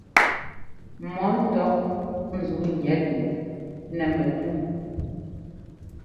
Mɔ́ ŋtɔ́ zǔu gniɛt wú nɛ̂ mɛtú.